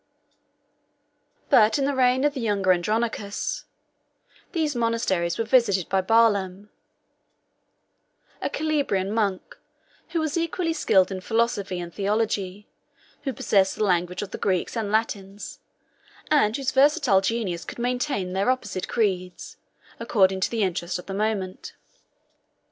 But in the reign of the younger Andronicus, these monasteries were visited by Barlaam, 41 a Calabrian monk, who was equally skilled in philosophy and theology; who possessed the language of the Greeks and Latins; and whose versatile genius could maintain their opposite creeds, according to the interest of the moment.